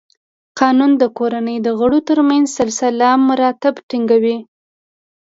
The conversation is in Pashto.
قانون د کورنۍ د غړو تر منځ سلسله مراتب ټینګوي.